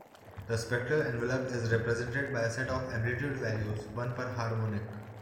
The spectral envelope is represented by a set of amplitude values, one per harmonic.